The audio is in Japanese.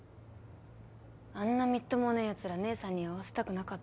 あんなみっともねえ奴ら姐さんには会わせたくなかったっす。